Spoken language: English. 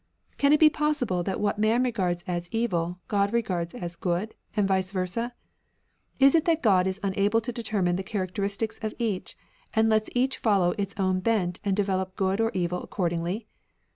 Can it be possible that what man regards as evil, God regards as good, and vice versa ? Is it that Gkxl is unable to determine the characteristics of each, and lets each foUow its own bent and develop good or evil accordingly